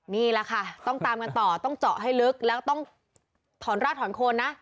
นี่แหละค่ะต้องตามกันต่อต้องเจาะให้ลึกแล้วต้องถอนรากถอนโคนนะ